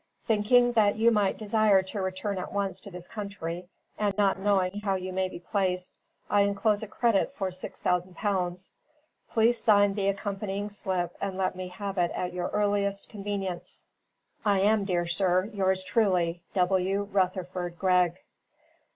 Thinking that you might desire to return at once to this country, and not knowing how you may be placed, I enclose a credit for six hundred pounds. Please sign the accompanying slip, and let me have it at your earliest convenience. "I am, dear sir, yours truly, "W. RUTHERFORD GREGG."